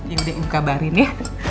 yaudah ibu kabarin ya